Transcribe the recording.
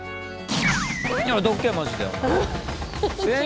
どけマジで。